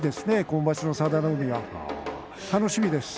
今場所の佐田の海は楽しみです。